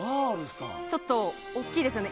ちょっと大きいですよね。